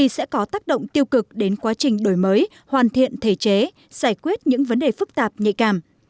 sẽ có tác động tiêu cực đến quá trình đổi mới hoàn thiện thể chế giải quyết những vấn đề phức tạp nhạy cảm